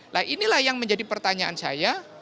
nah inilah yang menjadi pertanyaan saya